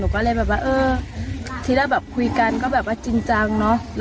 ทีละเขามาหาแบบคุยกันจริง